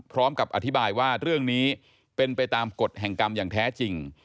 พร้อมกับอธิบายว่าเรื่องนี้เป็นไปตามกฎแห่งกรรมอย่างแท้จริง